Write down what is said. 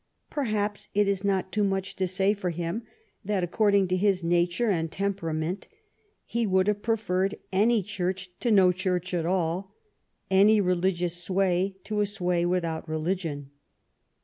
Perhaps it is not too much to say for him that, according to his nat ure and temperament, he would have preferred any Church to no Church at all, any religious sway to a sway without religion.